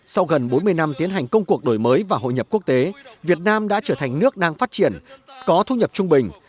sau gần bốn mươi năm tiến hành công cuộc đổi mới và hội nhập quốc tế việt nam đã trở thành nước đang phát triển có thu nhập trung bình